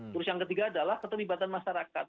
terus yang ketiga adalah keterlibatan masyarakat